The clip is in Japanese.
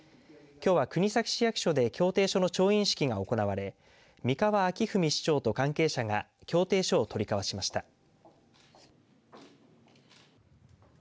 きょうは国東市役所で協定書の調印式が行われ三河明史市長と関係者が協定書を取り交わしました。